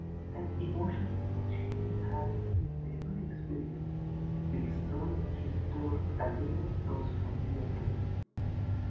And emotions which he has never experienced will serve his turn as well as those familiar to him.